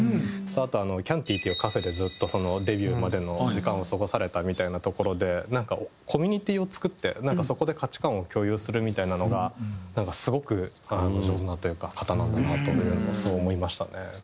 あとキャンティっていうカフェでずっとデビューまでの時間を過ごされたみたいなところでなんかコミュニティーを作ってそこで価値観を共有するみたいなのがなんかすごく上手な方なんだなとそう思いましたね。